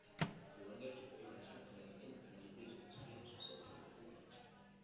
Le langage de programmation permet de manipuler et de construire toutes sortes de programmes.